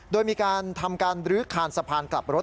โดยมีการทำการรื้อคานสะพานกลับรถ